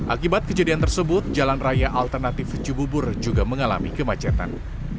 akibat kejadian tersebut jalan raya alternatif cibubur juga mengalami kemacetan